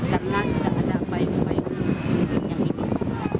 karena sudah ada payung payung yang ini